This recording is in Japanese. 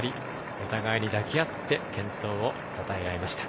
お互いに抱き合って健闘をたたえ合いました。